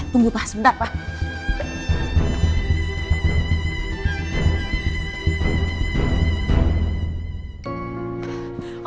tunggu sebentar pak